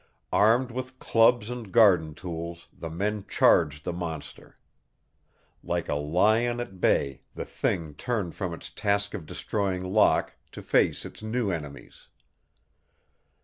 Armed with clubs and garden tools, the men charged the monster. Like a lion at bay, the thing turned from its task of destroying Locke to face its new enemies.